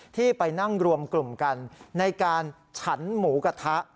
ที่ไปนั่งรวมกลุ่มกันในการฉันหมูกระทะ